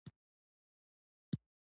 هم د پېغلوټو هم جینکیو